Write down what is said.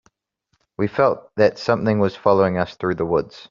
We felt that something was following us through the woods.